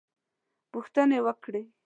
پوښتنې وکړې.